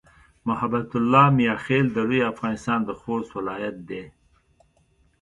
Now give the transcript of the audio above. محبت الله "میاخېل" د لوی افغانستان د خوست ولایت دی.